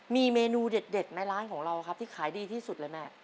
มีเมนูเด็ดในร้านของเราครับที่ขายดีที่สุดเลยแม่